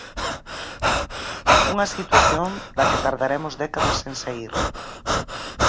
Unha situación da que tardaremos décadas en saír.